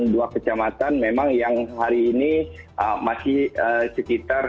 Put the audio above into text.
dua kecamatan memang yang hari ini masih sekitar